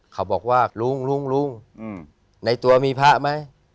เขาบอกว่าลุงลุงในตัวมีพระไหม